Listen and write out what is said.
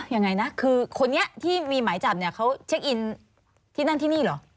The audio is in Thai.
ยังไงนะคือคนนี้ที่มีหมายจับเนี่ยเขาเช็คอินที่นั่นที่นี่เหรอ